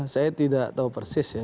saya tidak tahu persis ya